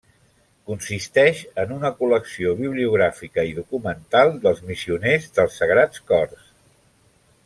Consisteix en una col·lecció bibliogràfica i documental dels missioners dels Sagrats Cors.